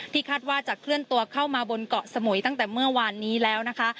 คาดว่าจะเคลื่อนตัวเข้ามาบนเกาะสมุยตั้งแต่เมื่อวานนี้แล้วนะคะ